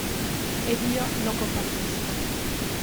Ed io lo compatisco.